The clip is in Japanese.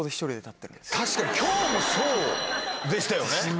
確かに今日もそうでしたよね？